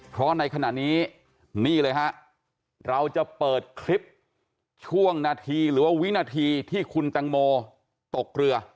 เพราะในขณะนี้นี่เลยฮะเราจะเปิดคลิปช่วงนาทีหรือว่าวินาทีที่คุณตังโมตกเรือ